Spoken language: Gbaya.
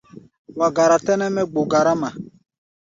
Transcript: Wa gara tɛ́nɛ́ mɛ́ gbo garáma.